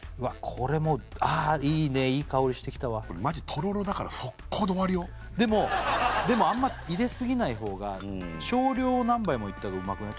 これもうああいいねいい香りしてきたわこれマジとろろだから即行で終わるよでもでもあんま入れすぎないほうが少量を何杯もいったほうがうまくない？